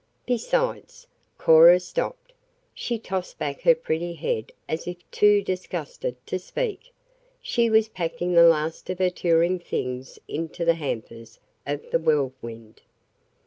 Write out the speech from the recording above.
Besides " Cora stopped. She tossed back her pretty head as if too disgusted to speak. She was packing the last of her touring things into the hampers of the Whirlwind.